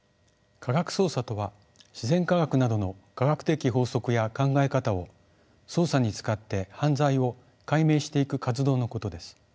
科学捜査とは自然科学などの科学的法則や考え方を捜査に使って犯罪を解明していく活動のことです。